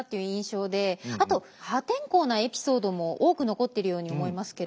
あと破天荒なエピソードも多く残ってるように思いますけれど。